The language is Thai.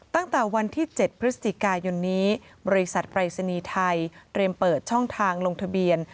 ตั้งแต่วันที่๗พฤศจิกายนนี้บริษัทปรายศนีย์ไทยเตรียมเปิดช่องทางลงทะเบียน